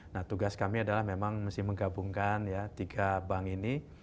nah tugas kami adalah memang mesti menggabungkan ya tiga bank ini